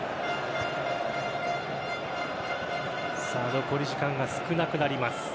残り時間が少なくなります。